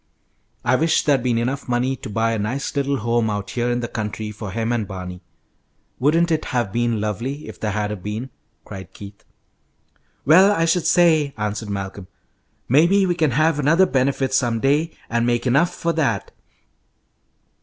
"I wish there'd been enough money to buy a nice little home out here in the country for him and Barney. Wouldn't it have been lovely if there had a been?" cried Keith. "Well, I should say!" answered Malcolm. "Maybe we can have another benefit some day and make enough for that."